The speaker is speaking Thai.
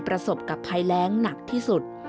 ประสบกับภัยแรงหนักที่สุด